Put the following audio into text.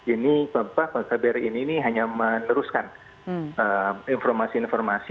ini pak pemba beri ini hanya meneruskan informasi informasi